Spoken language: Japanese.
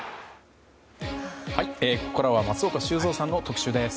ここからは松岡修造さんの特集です。